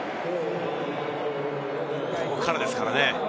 ここからですからね。